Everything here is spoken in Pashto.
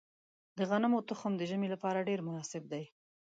د غنمو تخم د ژمي لپاره ډیر مناسب دی.